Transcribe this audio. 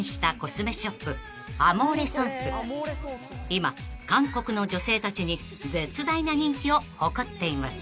［今韓国の女性たちに絶大な人気を誇っています］